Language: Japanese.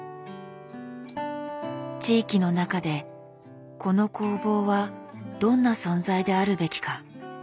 地域の中でこの工房はどんな存在であるべきか？